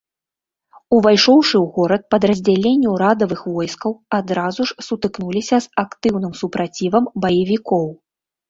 Увайшоўшы ў горад, падраздзяленні ўрадавых войскаў адразу ж сутыкнуліся з актыўным супрацівам баевікоў.